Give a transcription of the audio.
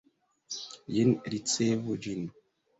Jen ricevu ĝin!